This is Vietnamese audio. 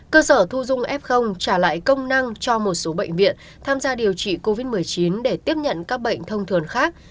cơ sở thu dung f trả lại công năng cho một số bệnh viện tham gia điều trị covid một mươi chín để tiếp nhận các bệnh thông thường khác